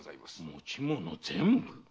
持ち物全部！？